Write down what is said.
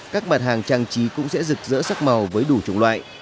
các mặt hàng trang trí cũng sẽ rực rỡ sắc màu với đủ chủng loại